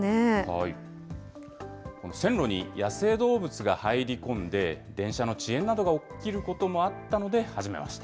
線路に野生動物が入り込んで、電車の遅延などが起きることもあったので始めました。